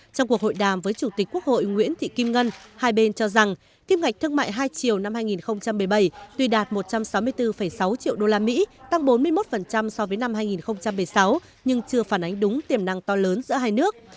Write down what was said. trong cuộc hội đàm với chủ tịch quốc hội nguyễn thị kim ngân hai bên cho rằng kim ngạch thương mại hai triệu năm hai nghìn một mươi bảy tuy đạt một trăm sáu mươi bốn sáu triệu usd tăng bốn mươi một so với năm hai nghìn một mươi sáu nhưng chưa phản ánh đúng tiềm năng to lớn giữa hai nước